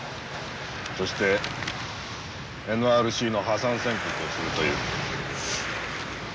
そしてＮＲＣの破産宣告をするという。